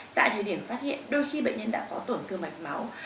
tại thời điểm phát hiện đôi khi bệnh nhân đã có tổn thương mạch máu